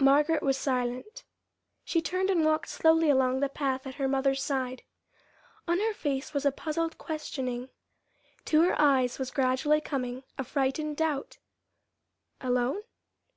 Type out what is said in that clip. Margaret was silent. She turned and walked slowly along the path at her mother's side. On her face was a puzzled questioning. To her eyes was gradually coming a frightened doubt. Alone?